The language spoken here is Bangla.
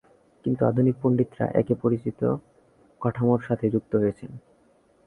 কিছু আধুনিক পণ্ডিতরা একে পরিচিত কাঠামোর সাথে যুক্ত করেছেন।